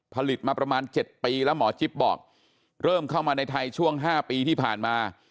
ผลิตมาประมาณ๗ปีแล้วหมอจิ๊บบอกเริ่มเข้ามาในไทยช่วง๕ปีที่ผ่านมา